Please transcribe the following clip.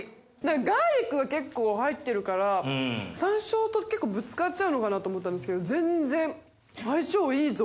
ガーリックが結構入ってるから山椒と結構ぶつかっちゃうのかなと思ったんですけど全然相性いいぞ。